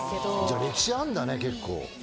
じゃ歴史あんだね結構。